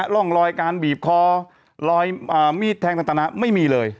ร่องรอยการบีบคอรอยมีดแทงต่างนะไม่มีเลย